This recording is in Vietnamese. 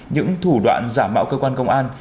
những thủ đoạn giả mạo cơ quan công an